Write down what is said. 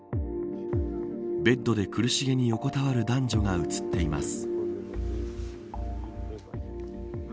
べッドで苦しげに横たわる男女が映っています。